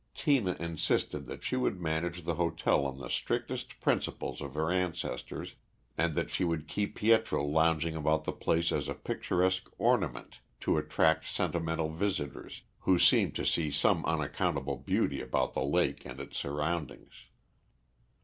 Tina insisted that she would manage the hotel on the strictest principles of her ancestors, and that she would keep Pietro lounging about the place as a picturesque ornament to attract sentimental visitors, who seemed to see some unaccountable beauty about the lake and its surroundings.